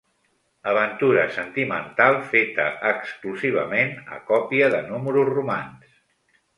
Aventura sentimental feta exclusivament a còpia de números romans.